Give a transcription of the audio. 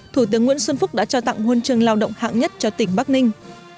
thủ tướng nguyễn xuân phúc đã trao tặng huân trường lao động hạng nhất cho tỉnh bắc ninh